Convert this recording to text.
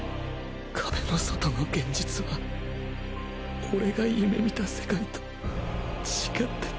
壁の外の現実はオレが夢見た世界と違ってた。